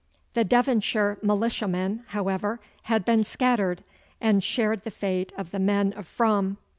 The Devonshire militiamen, however, had been scattered, and shared the fate of the men of Frome.